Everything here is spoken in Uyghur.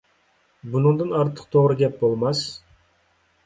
بۇنىڭدىن ئارتۇق توغرا گەپ بولماس.